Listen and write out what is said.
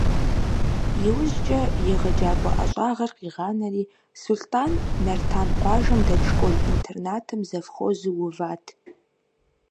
Иужькӏэ егъэджакӏуэ ӏэщӏагъэр къигъанэри, Сулътӏан Нартан къуажэм дэт школ-интернатым завхозу уват.